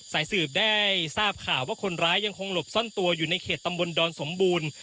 สายสืบได้ทราบข่าวว่าคนร้ายยังคงหลบซ่อนตัวอยู่ในเขตตำบลดอนสมบูรณ์